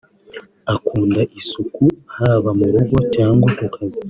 Akunda isuku haba mu rugo cyangwa ku kazi